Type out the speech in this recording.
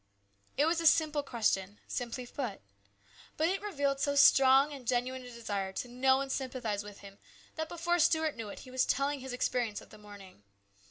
It was a simple question, simply put. But it revealed so strong and genuine a desire to know and sympathise with him that before Stuart knew it he was telling his experience of the morning.